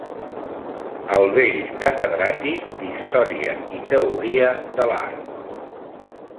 ...al vell catedràtic d'Història i Teoria de l'Art.